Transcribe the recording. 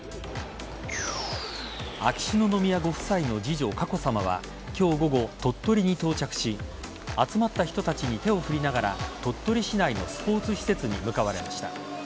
秋篠宮ご夫妻の次女佳子さまは今日午後、鳥取に到着し集まった人たちに手を振りながら鳥取市内のスポーツ施設に向かわれました。